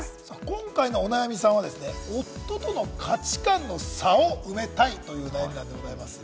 今回のお悩みさんは夫との価値観の差を埋めたいというお悩みなんでございます。